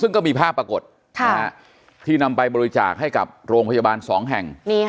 ซึ่งก็มีภาพปรากฏที่นำไปบริจาคให้กับโรงพยาบาล๒แห่ง